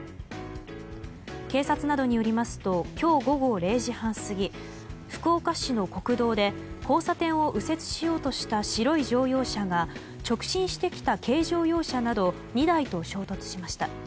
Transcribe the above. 警察などによりますと今日午後０時半過ぎ福岡市の国道で交差点を右折しようとした白い乗用車が直進してきた軽乗用車など２台と衝突しました。